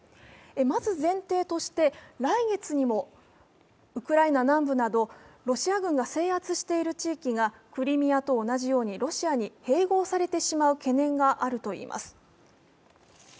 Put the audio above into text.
まず前提として、来月にもウクライナ南部などロシア軍が制圧している地域がクリミアと同じようにロシアに併合されてしまう懸念があるといいます。